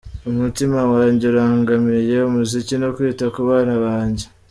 Umutima wanjye urangamiye umuziki no kwita ku bana banjye.